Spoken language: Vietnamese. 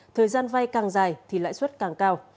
thời gian vay càng dài thì lãi suất càng cao